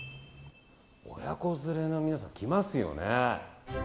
親子連れの皆さん来ますよね。